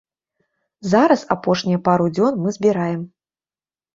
Зараз апошнія пару дзён мы збіраем.